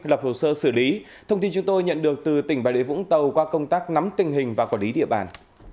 lập hồ sơ xử lý thông tin chúng tôi nhận được từ tỉnh bà địa vũng tàu qua công tác nắm tình hình và quản lý địa bàn